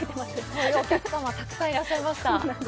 そういうお客様、たくさんいらっしゃいました。